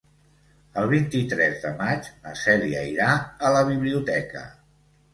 El vint-i-tres de maig na Cèlia irà a la biblioteca.